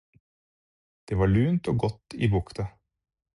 Det var lunt og godt i bukta.